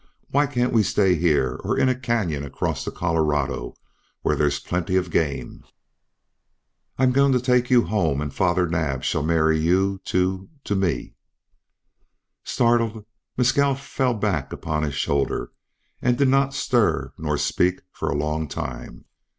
Why can't we stay here or in a canyon across the Colorado where there's plenty of game?" "I'm going to take you home and Father Naab shall marry you to to me." Startled, Mescal fell back upon his shoulder and did not stir nor speak for a long time.